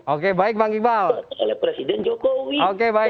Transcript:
oleh presiden jokowi